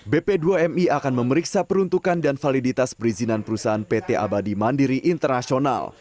bp dua mi akan memeriksa peruntukan dan validitas perizinan perusahaan pt abadi mandiri internasional